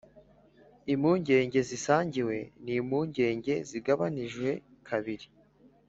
impungenge zisangiwe ni impungenge zigabanijwe kabiri